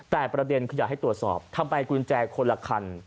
แต่ประเด็นคืออยากให้ตรวจสอบทำไมกุญแจคนละคัน